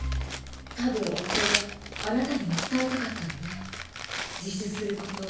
たぶん夫はあなたにも伝えたかったのね自首することを。